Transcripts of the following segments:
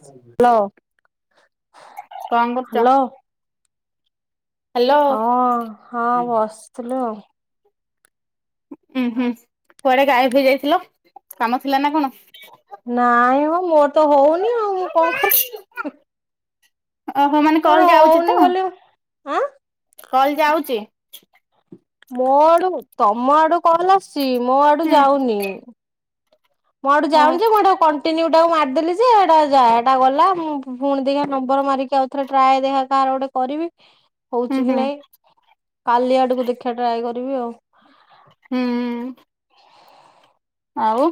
Hello. କଣ କରୁଚ? Hello ହଁ ହଁ ବସିଥିଲୁ ଆଉ। ହୁଁ ହୁଁ କୁଆଡେ ଗାଏପେ ହେଇଯାଇଥିଲା କାମ ଥିଲା ନା କଣ? ନାଇଁ ମ ମୋର ତ ହଉନି ଆଉ ମୁଁ କଣ କରି ଓହୋ ମାନେ କଲ ଯାଉଚି ହଉନି ତ ବୋଲି ଆଁ କଲ ଯାଉଚି? ମୋ ଆଡୁ ତମ ଆଡୁ କଲ ଆସୁଚି ମୋ ଆଡୁ ହୁଁ ଯାଉନି। ମୋ ଆଡୁ ଓହୋ ଯାଉନି ଯେ ମୁଁ [unintelligible] କଟିନୂଉ ମାରିଦେଲି ଯେ ହେଟା ଯା ହେଟା ଗଲା ମୁଁ ପୁଣି ଦେଇ ନମ୍ବର ମାରିକି ଆ ଥରେ ଟାଏ ଦେଖିଆ ଗୋଟେ କରିବି। [inaudible] ହଉଚି କି ହୁଁ ନାଇଁ କାଲି ଆଡକୁ ଦେଖିବା ଟ୍ରାଏ କରିବି ଆଉ। ହୁଁ। ଆଉ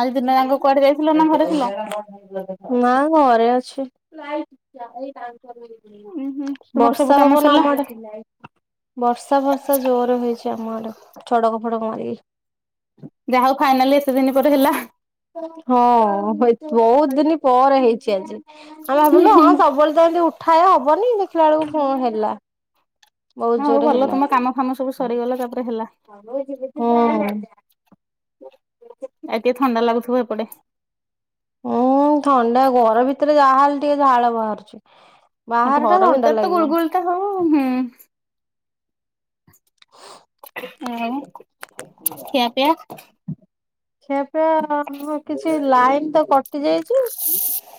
ଆଜି ଦିନ ଯାକ କୁଆଡେ ଯାଇଥିଲ ନା ଘରେ ଥିଲ? [inaudible] ନା ଘରେ ଅଛି। ଉୁଁ ହୁଁ ତୁମର ସବୁ ବର୍ଷା କାମ ପବନ ସରିଲା ଆମ ଆଡେ। ବର୍ଷା ଫର୍ଷା ଜୋରେ ହେଇଛି ଆମ ଆଡେ ଛଡକ ଫଡକ ମାରିକି। ଯାହା ହଉ ଫାଇନାଲି ଏତେ ଦିନ ପରେ ହେଲା। ହଁ ବହୁତ ଦିନ ପରେ ହେଇଚି ଆଜି। ଆମେ ଭାବିଲୁ ହଁ ସବୁବେଳେ ତ ଏମିତି ଉଠାଏ ହବନି ଦେଖିଲା ବେଳକୁ ହୁଁ ହେଲା। ହଁ ବହୁତ ହଉ ଜୋରେ ଭଲ ହେଲା ତୁମ କାମ ଫାମ ସବୁ ସରିଗଲା ତାପରେ ହେଲା ହୁଁ। ଏ ଟିକେ ଥଣ୍ଡା ଲାଗୁଥିବ ଏପଟେ। ଉଁ ଥଣ୍ଡା ଘର ଭିତରେ ଯାହାେଲେ ଟିକେ ଝାଳ ବାହାରୁଚି ଆଉ ବାହାର ଟା ଘର ଥଣ୍ଡା ଭିତରେ ଲାଗିବ। [unintelligible] ହଉ ହୁଁ। [unintelligible] ଆଉ ଖିଆ ପିଆ। ସେପ କିଛି ଲାଇନ ତ କଟି ଯାଇଛି।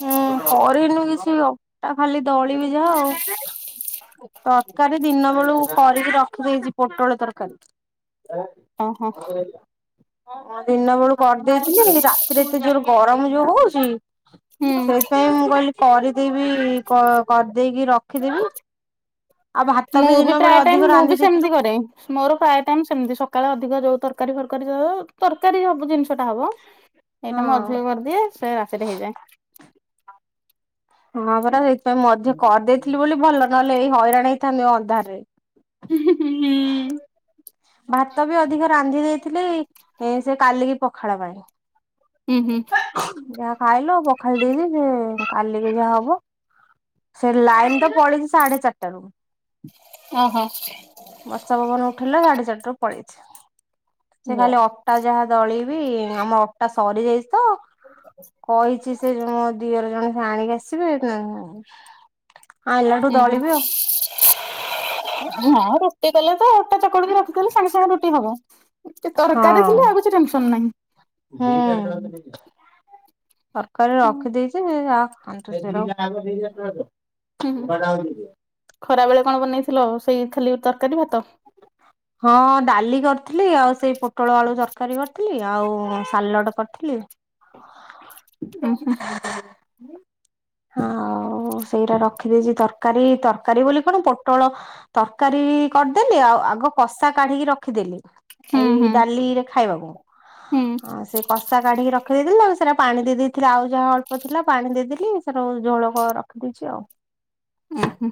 ହୁଁ କରିନୁ କିଛି ଅଟା ଖାଲି ଦଳିିବି ଯା ଆଉ [inaudible] ତରକାରୀ ଦିନ ବେଳୁ କରିକି ରଖିଦେଇଛି ପୋଟଳ ତରକାରୀ ଓହୋ ଆଲା ମୁଁ ଦିନ ବେଳୁ କରିଦେଇଥିଲି ରାତିରେ ଏତେ ଯୋର ଗରମ ଯୋଉ ହଉଛି। ହୁଁ ସେଇଥିପାଇଁ ମୁଁ କହିଲି କରିଦେଇବି କରିଦେଇକି ରଖ ରଖିଦେବି ଆଉ ଭାତ ମୁଁ ବି ଦିନ ପ୍ରାୟ ବେଳେ ଟାଇମ ଅଧିକ ମୁଁ ବି ରାନ୍ଧି ସେମିତି ଦେଇଥିଲୁ କରେ ମୋର ପ୍ରାୟ ଟାଇମ ସେମିତି ସକାଳେ ଅଧିକ ଯୋଉ ତରକାରୀ ଫରକାରୀ ତରକାରୀ ସବୁ ଜିନିଷ ଟା ହବ ହଁ ଏଇଟା ମୁଁ ଅଧଲ କରିଦିଏ ସେ ରାତିରେ ହେଇଯାଏ। ହଁ ପରା ସେଇଥିପାଇଁ ମଧ୍ୟ କରିଦେଇଥିଲି ବୋଲି ଭଲ ନହେଲେ ଏଇ ହଇରାଣ ହେଇଥାନ୍ତୁ ଅନ୍ଧାର ରେ ହଁଁ ହୁଁ ଭାତ ବି ଅଧିକ ରାନ୍ଧି ଦେଇଥିଲି ସେ କାଲିକି ପଖାଳ ପାଇଁ ହୁଁ ହୁଁ ଯାହା ଖାଇଲ ପଖାଳି ଦେଇଛିି ସେ କାଲିକେ ଯାହା ହବ। ସେ ଲାଇନ ତ ପଳେଇଛି ସାଢେ ଚାରିଟା ରୁ ଓ ହୋ ବର୍ଷା ପବନ ଉଠିଲା ସାଢେ ଚାରିରୁ ପଳେଇଛି ସେ ଖାଲି ଅଟା ଯାହା ଦଳ ବିି ଆମର ଅଟା ସରିଯାଇ ତ କହିଛି ସେ ଯ ମୋ ଦିଅର ଜଣେ ସେ ଆଣିକି ଆସିବେ ନା ହୁଁ ହୁଁ [inaudible] ହଁ ରୋଷେଇ କଲେ ତ ା ଚକିକି ରଖିଥିଲେ ସାଙ୍ଗେ ସାଙ୍ଗେ ରୁଟି ହବ ତରକାରୀ ଥିଲେ ଆଉ କିଛି ଟେନସନ ନାହିଁ। ହଁ ତରକାରୀ ହୁଁ ରଖିଦେଇଛି ଯହା ଖାୁ ହୁଁ [unintelligible] ଖରା ବେଳେ କଣ ବନେଇଥିଲ ସେଇ ଖାଲି ତରକାରୀ ଭାତ ହଁ ଡାଲି କରିଥିଲି ଆଉ ସେଇ ପୋଟଳ ଆଳୁ ତରକାରୀ କରିଥିଲି ଆଉ ସାଲଟ କରିଥିଲି। ଓ ହୋ ହଁ [inaudible] ଆଉ ସେଇଟା ରଖିଦେଇଛି ତରକାରୀ ତରକାରୀ ବୋଲି କଣ ପୋଟଳ ତରକାରୀ କରିଦେଲି ଆଉ ଆଗ କଷା କାଢିକି ରଖିଦେଲି ଏଇ ହୁଁ ହୁଁ। ଡାଲିରେ ଖାଇବାକୁ ହୁଁ ସେ କଷା କାଢିକି ରଖିଦେଇି ଆଉ ସେଇଟା ପାଣି ଦେଇେଇଥିଲେି ଆଉ ଯାହା ଅଳ୍ପ ଥିଲା ପାଣି ଦେଇଦେି ସେଟ ଝୋଳକ ର ଦେଇଛି ଆଉ ହ ହଁ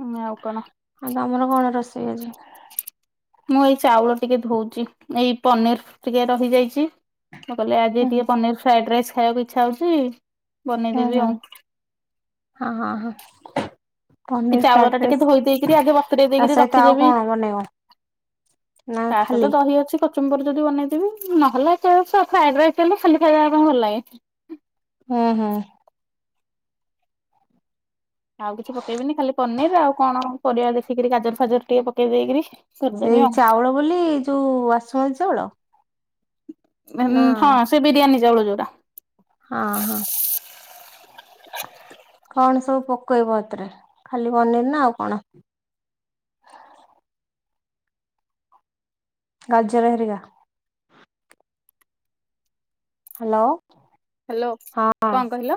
ହୁଁ ଆଉ କଣ ଆଉ ଗତମର କଣ ରୋଷେଇ ଆଜି। ମୁଁ ଏଇ ଚାଉଳ ଟିକେ ଧଉଛି ଏଇ ପନିର୍ ଟିକେ ରହିଯାଇଛି। କହିଲେ ଆଜି ହୁଁ ଟିକେ ହୁଁ ପନିର ଫ୍ରାଏଡ ରାଇସ୍ ଖାଇବାକୁ ଇଚ୍ଛା ହଉଛି ବନେଇଦେବି ହୁଁ ଆଉ ହଁ ହଁ ହଁ [inaudible] ଏ ପନିର ଚାଉଳ ଟା ଫ୍ରାଇଡ୍ ଟିକେ ରାଇସ୍ ଧୋଇ ଦେଇକିରି ଆଗେ ବତୁରେଇ ତା ଦେଇକିରି ସହିତ ଆଉ ରଖିଦେବି। କଣ ବନେଇବ। ନା ତା ଖାଲି ସହିତ ଦହି ଅଛି। କଚମ୍ବର ଯଦି ବନେଇଦବି ନହେଲେ ଫ୍ରାଇଡ ରାଇସ୍ଲେ ଖାଲି ଖାଇବା ପାଇଁ ଭଲ ଲାଗେଛି। ହୁଁ ହଁ ଆଉ କିଛି ପକେଇବିନି ଖାଲି ପନିର ଆଉ କଣ ପରିବା ଦେଖିକିରି ଗାଜର ଫାଜର ଟିକେ ପକେଇ ଦେଇକରି ସେଇ ଚାଉଳ ବୋଲି ଯୋଉ ବାସୁମନ୍ତିୀ ଚାଉଳ ନା ହଁ ସେ ବିରିୟାନୀ ଚାଉଳୁ ଯୋଉଟା ହଁ ହଁ। କଣ ସବୁ ପକେଇବ ଏଥିରେ ଖାଲି ପନିର ନା ଆଉ କଣ? ଗାଜର ହେରିକା। ହାଲୋ ହ୍ୟାଲୋ ହଁ ଅଁ। କଣ କହିଲ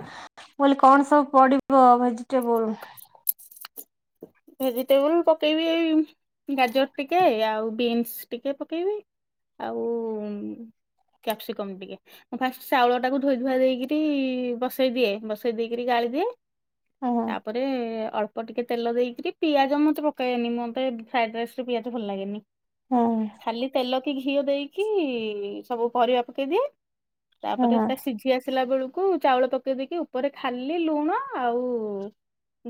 ମୁଁ କହିଲି କଣ ସବୁ ପଡିବ ଭେଜିଟେବୁଲ୍? ଭେଜିଟେବୁଲ୍ ପକେଇବି ଗାଜର ଟିକେ ଆଉ ବିନ୍ସି ଟିକେ ପକେଇବି। ଆଉ କ୍ୟାପ୍ସିକମ୍ ଟିକେ। ଫାଷ୍ଟ ଚାଉଳ ଟାକୁ ଧୋଇ ଧୁଆ ଦେଇକିରି ବସେଇ ଦିଏ ବସେଇ ଦେଇକିରି ଗାଳି ଦିଏ। ହୁଁ ତାପରେ ଅଳ୍ପ ଟିକେ ତେଲ ଦେଇକି। ଟିକେ ପିଆଜ ମତେ ପକଏବନି ମତେ ଫ୍ରାଏଡ୍ରେସେରେ ପିଆଜ ଭଲ ଲାଗେନି। ହଁ। ଖାଲି ତେଲ ଘିଅ ଦେଇକି ସବୁ ପରିବା ପକେଇ ଦିଏ ହୁଁ ତାପରେ ସେଟା ସିଜ୍ ଜି ଆସିଲା ବେଳକୁ ଚାଉଳ ପକେଇ ଦେଇକି ଉପରେ ଖାଲି ଲୁଣ ଆଉ।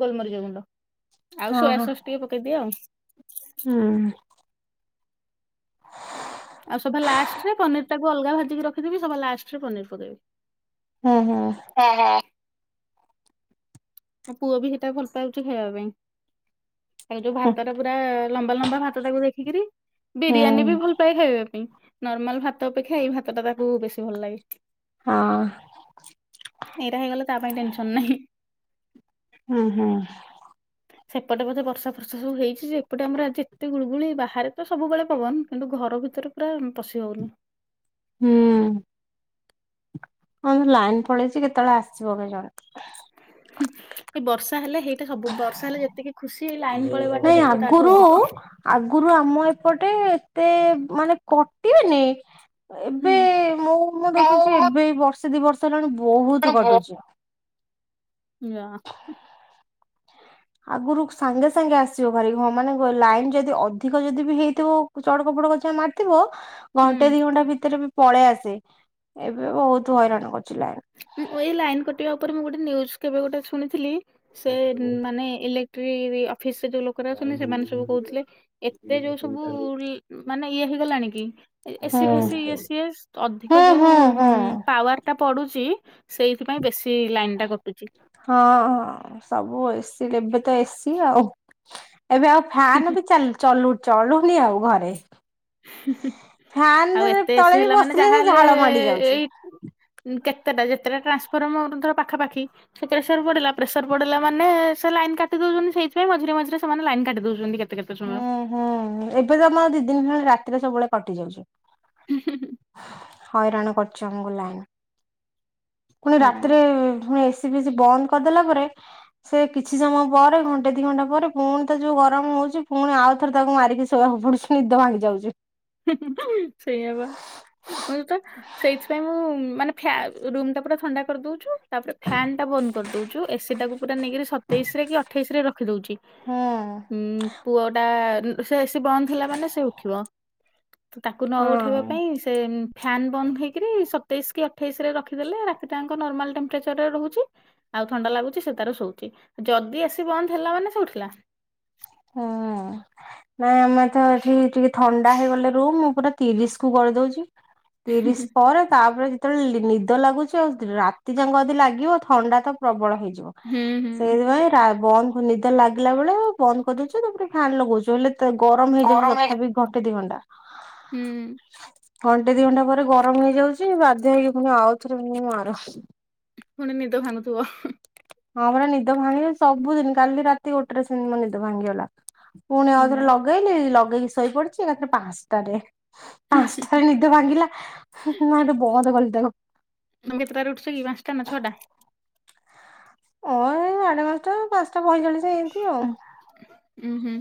ଗୋଲମରିଚ ଗୁଣ୍ଡ ଆଉ ହଁ ସୋୟା ହଁ ସୋସ୍ ଟିକେ ପକେଇଦିଏ ଆଉ। ହୁଁ। ଆଉ ସଭା ଲାଷ୍ଟେ ରେ ପନିର ଟାକୁ ଅଲଗା ଭାଜିକି ରିଖିଥିବି ସଭା ଲାଷ୍ଟେରେ ପନିର ପକେଇବି। ହୁଁ ହୁଁ। ହଁ ହଁ। ମୋ ପୁଅ ବି ସେଇଟା ଭଲ ପାଉଚି ଖାଇବା ପାଇଁ। ସେଇଟୁ ହୁଁ ଭାତଟା ପୁରା ଲମ୍ବା ଲମ୍ବା ଭାତ ଟାକୁ ଦେଖିକିରି ହୁଁ ବିରିୟାନୀ ବି ଭଲ ପାଏ ଖାଇବା ପାଇଁ ନର୍ମାଲ ଭାତ ଅପେକ୍ଷା ଏଇ ଭାତ ଟା ତାକୁ ବେଶୀ ଭଲ ଲାଗେ। ହଁ ଏଇରା ହେଇଗଲେ ତା ପାଇଁ ଟେନେସନ୍ ନାହିଁ। ହଁ ହଁ। ସେପଟେ ବୋଧେ ବର୍ଷା ଫର୍ଷା ସବୁ ହେଇଛିଯେ ଏପଟେ ଆମର ଏତେ ଗୁଳୁଗୁଳି ବାହାରେ ସବୁବେଳେ ପବନ କିନ୍ତୁ ଘର ଭିତରେ ପୁରା ପଶି ହଉନି। ହୁଁ। ଆମ ଲାଇନ ପଳେଇଚି କେତେବେଳେ ଆସିବ କେ ଜାଣି। ହୁଁ ଏଇ ବର୍ଷା ହେଲେ ହେଇ। ଏ ସବୁ ବର୍ଷା ହେଲେ ଯେତିକି ଖୁସି ଲାଇନ ପଳେଇବା ଟା ନାଇଁ ଦୁଃଖ ତାଠୁ ଆଗରୁ ଅଧିକ। ଆଗରୁ ଆମ ଏପଟେ ଏତେ ମାନେ କଟିନି ଏବେ ହୁଁ ଆଉ ମୁଁ ଦେଖୁଚି ଏବେ ବର୍ଷେ ଦି ବର୍ଷ ହେଲାଣି ବହୁତ କଟୁଚି। ଇ ଆ। ଆଗରୁ ସାଙ୍ଗେ ସାଙ୍ଗେ ଆସିବ ଭାରି ହଁ ମାନେ ଲାଇନ୍ ଯଦି ଅଧିକ ଯଦି ବି ହେଇଥିବ। ଚଡକ ପଡକ ଯାହା ମାରିଥିବା। ହୁଁ ଘଣ୍ଟେ ଦି ଘଣ୍ଟା ଭିତରେ ବି ପଳେଇ ଆସେ ଏବେ ବହୁତୁ ହଇରାଣ କରୁଛି ଲାଇନ୍। ମୁଁ ଏଇ ଲାଇନ କଟିବା ଉପରେ ମୁଁ ଗୋଟେ ନିଉଜ୍ କେବେ ଗୋଟେ ଶୁଣିଥିଲି ସେ ମାନେ ଇଲେ ଅଫିସରେ ଯୋଉ ଲୋକରା ଅଛନ୍ତି ସେମାନେ ସବୁ କହୁଥିଲେ ଏତେ ଯୋଉ ସବୁ। ମାନେ ଇଏ ହେଇଗଲାଣି କି ହୁଁ ଏସିି ଫେସି ଇଏ ହୁଁ ସିଏ ଅଧିକ ହୁଁ ଯୋଉ ହୁଁ। ପାୱାର। ଟା ପଡୁଛି ସେଇଥିପାଇଁ ବେଶୀ ଲାଇନି ଟା କଟୁଚି। ହଁ ହଁ ସବୁ ଏସି ଏବେ ତ ଏସି ଆଉ। ଏବେ ଆଉ ଫ୍ୟାନ ବି ଚା ଚାଲୁ ଚଳୁନି ଆଉ ଘରେ। ଆଉ ଫ୍ୟାନରେ ଏତେ ଏସି ତଳେ ବି ହେଲା ମାନେ ବସିଲେ ସେ ଯାହାହେଲେ ଝାଳ ମାଡି ଯାଉଚି। ଏଇ କେତେଟା ଯେତେଟା ଟ୍ରାନ୍ସଫର୍ମର ରହୁଚି ଧର ପାଖାପାଖି। ସେ ପ୍ରେସର ପଡିଲା ପ୍ରେସର ପଡିଲା ମାନେ ସେ ଲାଇନ କାଟି ଦେଉଚନ୍ତି ସେଇଥିାଇଁ ମଝିରେ ମଝିରେ ସେମାନେ ଲାଇନ୍ କାଟି ଦଉଛନ୍ତି କେତେ। କେତ କେତେ ସମୟ? ହୁଁ ହୁଁ ଏବେ ତ ଆମର ଦି ଦିନ ହେଲାଣି ରାତିରେ ସବୁବେଳେ କଟି ଯାଉଛି। ହଇରାଣ କରୁଛି ଆମକୁ ଲାଇନ। ପୁଣି ହଁ ରାତିରେ ପୁଣି ଏସି ଫେସି ବନ୍ଦ କରିଦେଲା ପରେ ସେ କିଛି ସମୟ ପରେ ଘଣ୍ଟେ ଦି ଘଣ୍ଟା ପରେ ପୁଣି ତ ଯୋଉ ଗରମ ହଉଛି ପୁଣି ଆଉଥରେ ତାକୁ ମାରିକି ଶୋଇବାକୁ ପଡୁଛି ନିଦ ଭାଙ୍ଗି ଯାଉଛି। ହୁ ହୁ ସେଇଆ ପା। [unintelligible] ସେଇଥିପାଇଁ ମୁଁ ମାନେ ଫ୍ୟା ରୁମ ଟା ପୁରା ଥଣ୍ଡା କରିଦଉଛୁ। ତାପରେ ଫ୍ୟାନ ଟା ବନ୍ଦ କରିଦୋଉଛୁ ଏସିଟାକୁ ପୁରା ନେଇକରି ସତେଇଶରେ କି ଅଠେଇଶରେ ରଖିଦଉଛି। ହଁ ଉଁ ପୁଅ ଟା ସେ ଏସି ବନ୍ଦ ହେଲା ମାନେ ସେ ଉଠିବ। ତ ତାକୁ ନ ହଁ ଉଠେଇବା ପାଇଁ ସେ ଫ୍ୟାନ୍ ବନ୍ଦ ହେଇକିରି ସତେଇଶ କି ଅଠେଇଶରେ ରଖିଦେଲେ ରାତିଟାଙ୍କ ନର୍ମାଲ୍ ଟେମ୍ପରେଚରରେ ରହୁଛି। ଆଉ ଥଣ୍ଡା ଲାଗୁଛି ସେ ତାର ଶୋଉଛି ଯଦି ଏସି ବନ୍ଦ ହେଲା ମାନେ ସେ ଉଠିଲା। ହଁ ନାଇଁ ଆମେ ତ ଏଠି ଟିକେ ଥଣ୍ଡା ହେଇଗଲେ ରୁମ ମୁଁ ପୁରା ତିରିଶ କୁ କରିଦଉଛି। ତିରିଶ ପାରେ ତାପରେ ଯେତେବେଳେ ନିଦ ଲାଗୁଛି ଆଉ ରାତି ଯାକ ଯଦି ଲାଗିବ ଥଣ୍ଡା ତ ପ୍ରବଳ ହେଇଯିବ। ହୁଁ ହୁଁ ସେଇଥିପାଇଁ ବନ୍ଦ ନିଦ ଲାଗିଲା ବେଳେ ବନ୍ଦ କରିଦଉଛୁ ତାପରେ ଫ୍ୟାନ୍ ଲଗଉଛୁ ହେଲେ ଗରମ ହେଇଯାଉିବ ତଥାପି ଘଣ୍ଟେ ଦି ଘଣ୍ଟା। ହୁଁ ଘଣ୍ଟେ ଦି ଘଣ୍ଟା ପରେ ଗରମ ହେଇଯାଉଛି ବାଧ୍ୟ ହେଇକି ପୁଣି ଆଉ ଥରେ ମାର। ପୁଣି ନିଦ ଭାଙ୍ଗୁଥିବ। ହଁ ପରା ନିଦ ଭାଙ୍ଗି ସବୁଦିନ କାଲି ରାତି ଗୋଟେରେ ସେମିତି ମୋ ନିଦ ଭାଙ୍ଗିଗଲା। ପୁଣି ନା ଆଉଥରେ ଲଗେଇଲି ଲଗେଇକି ଶୋଇପଡିଛି ଏକାଥରେ ପାଞ୍ଚଟାରେ ତମେ ପାଞ୍ଚଟାରେ ନିଦ ଭାଙ୍ଗିଲା [unintelligible] ବନ୍ଦ କଲି ତାକୁ। ତମେ କେତେଟାରେ ଉଠୁଛ କି ପାଞ୍ଚଟା ନା ଛଅଟା? ଓ ଏଇ ସାଢ଼େ ପାଞ୍ଚଟା ପାଞ୍ଚଟା ପଇଚାଳିଶ ଏଇତି ଆଉ। ଉୁଁ ହୁଁ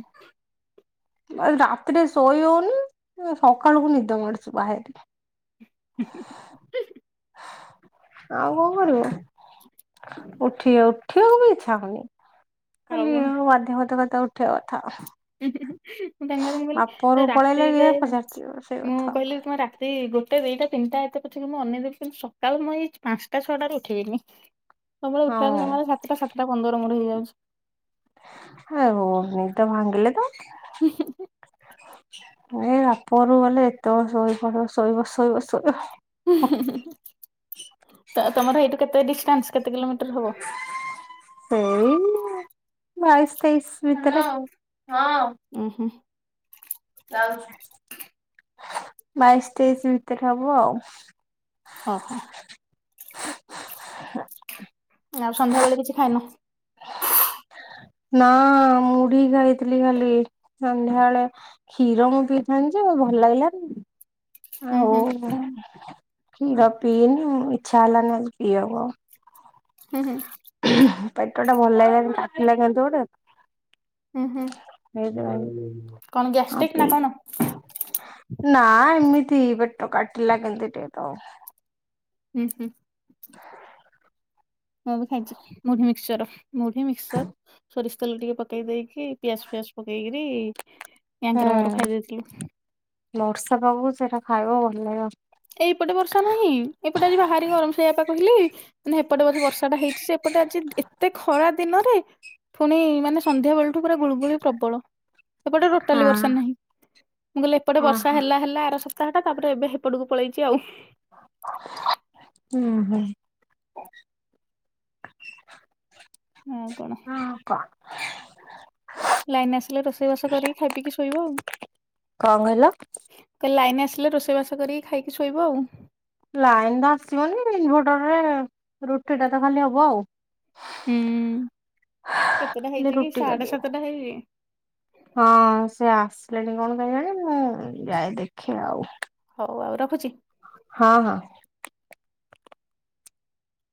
ରାତିରେ ଶୋଇହୋଉନି ସକାଳକୁ ନିଦ ମାଡୁଛି ବାହାରି। ଆଉ କଣ କରିବା? ଉଠି ଉଠିବା କୁ ବି ଇଛା ହଉନି। ଆଉ ଖାଲି କଣ? ବାଧ୍ୟବାଧକତା ଉଠିବା କଥା। ମୁଁ ତାଙ୍କ ମୁଁ ବାପ କହିଲି ଘରକୁ ପଳେଇଲେ ରାତିରେ ଇଏ ପଚାରୁଛି ସେଇ ମୁଁ କଥା କହିଲି ତମ ରାତି ସେ ଗୋଟେ ଦିଟା ତିନିଟା ଏତେ ପଛରେ ମୁଁ ଅନେଇ ଦେବି କିନ୍ତୁ ସକାଳୁ ମୁଁ ଏଇ ପାଞ୍ଚଟା ଛଅଟାରେ ଉଠିବିନି। ସବୁ ବେଳେ ଉଠିବା ହଁ [unintelligible] ସାତଟା ସାତଟା ପନ୍ଦର ମୋର ହେଇଯାଉଛି। ହଁ ହଉ ନିଦ ଭାଙ୍ଗିଲେ ତ [unintelligible] ଏ ବାପଘର କୁ ଗଲେ ଏତେ ବେଳ ଶୋଇ ଶୋଇବ ଶୋଇବ ଶ ତମର ଏଇଠୁ କେତେ ଡିଷ୍ଟାନ୍ସ କେତେ କିଲୋମିଟର ହବ? ସେଇ ବାଇଶ ତେଇଶ ଭିତରେ ଆଉ। ଉ ହୁ ବାଇଶି ତେଇଶି ଭିତରେ ହବ ଆଉ। ଓହୋ। ଆଉ ସନ୍ଧ୍ୟା ବେଳେ କିଛି ଖାଇନ? [unintelligible] ନା ମୁଢି ଖାଇଥିଲି ଖାଲି ସଂନ୍ଧ୍ୟାଳେ କ୍ଷୀର ମୁଁ ପିଇଥାନ୍ତି ଯେ ଭଲ ଲାଗିଲାନି। ଉଁ ଆଉ ହୁଁ କ୍ଷୀର ପିଇନି ଇଚ୍ଛା ହେଲା ନି ଆଜି ପିଇବାକୁ ଆଉ। ହୁଁ ହୁଁ ପେଟ ଟା ଭଲ ଲାଗିଲାଣି କାଟିଲା କେମିତି ଗୋଟେ ହୁଁ ହୁଁ। ସେଇଥି ପାଇଁ କଣ ଆଉ ଗ୍ୟାଷ୍ଟ୍ରିକ୍ ନା ପି କଣ? ନା ଏମିତି ପେଟ କାଟିଲା କେମତି ଟିକେ ତ ହୁଁ ହୁଁ ମୁଁ ବି ଖାଇଛି ମୁଢି ମିକ୍ସଚର। ମୁଢି, ମିକ୍ସର ସରିଷ ତେଲ ଟିକେ ପକେଇ ଦେଇକି ପିଆଜ ଫିଆଜ ପକେଇକି କି ୟାଙ୍କର ମୋର ଖାଇ ହୁଁ ଦେଇଥିଲୁ। ବର୍ଷା ପାଗକୁ ସେଇଟା ଖାଇବ ଭଲ ଲାଗିବ। ଏଇ ପଟେ ବର୍ଷା ନାହିଁ ଏପଟେ ଆଜି ବାହାରି ଗରମ ସୋଇଆପା କହିଲି। ହେପଟେ ବୋଧେ ବର୍ଷା ଟା ହେଇଛି ସେ ଏପଟେ ଆଜି ଏତେ ଖରା ଦିନରେ ପୁଣି ମାନେ ସନ୍ଧ୍ୟାବେଳଠୁ ପୁରା ଗୁଳୁଗୁଳି ପ୍ରବଳ। ଏପଟେ ହଁ ଟୋଟାଲି ବର୍ଷା ନାହିଁ ମୁଁ କହିଲି ଏପଟେ ବର୍ଷା ଓହୋ। ହେଲା ହେଲା ଆର ସପ୍ତାହଟା ତାପରେ ଏବେ ସେପଟକୁ ପଳେଇଛି ଆଉ। ହୁଁ ହୁଁ ଆଉ କଣ ହଁ କ ଲାଇନ ଆସିଲେ ରୋଷେଇବାସ କରିକି ଖାଇ ପିଇକି ଶୋଇବ ଆଉ। କଣ କହିଲ ମୁଁ କଲି ଲାଇନ ଆସିଲେ ରୋଷେଇବାସ କରିକି ଖାଇକି ଶୋଇବ ଆଉ। ଲାଇନ ତ ଆସିବନି ଇନ୍ଭଟର ରେ ରୁଟି ଟା ତ ଖାଲି ହବ ଆଉ। ହୁଁ କେତେଟା ଖାଲି ହେଇଛି କି ରୁଟି ସାଢେ କରିଦେବି। ସାତଟା ହେଇଛି। ହଁ ସେ ଆସିଲେଣି କଣ କେଜାଣି ମୁଁ ଯାଏ ଦେଖେ ଆଉ। ହଉ ଆଉ ରଖୁଛି। ହଁ ହଁ।